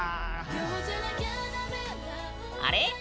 あれ？